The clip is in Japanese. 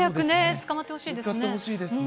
捕まってほしいですね。